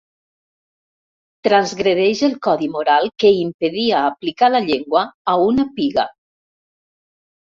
Transgredeix el codi moral que impedia aplicar la llengua a una piga.